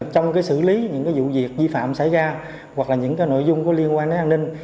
trong cái xử lý những cái vụ việc di phạm xảy ra hoặc là những cái nội dung có liên quan đến an ninh